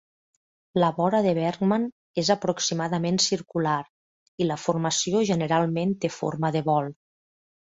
La vora de Bergman és aproximadament circular i la formació generalment té forma de bol.